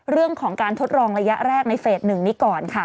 เรื่องของการทดลองระยะแรกในเฟส๑นี้ก่อนค่ะ